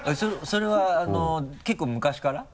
それはあの結構昔から？